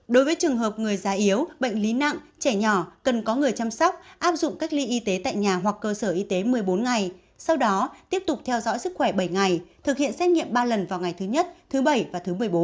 đối với trường hợp người già yếu bệnh lý nặng trẻ nhỏ cần có người chăm sóc áp dụng cách ly y tế tại nhà hoặc cơ sở y tế một mươi bốn ngày sau đó tiếp tục theo dõi sức khỏe bảy ngày thực hiện xét nghiệm ba lần vào ngày thứ nhất thứ bảy và thứ một mươi bốn